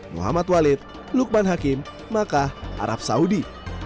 muhammad walid lukman hakim makkah arab saudi